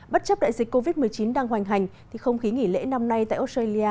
bất chấp đại dịch covid một mươi chín đang hoành hành thì không khí nghỉ lễ năm nay tại australia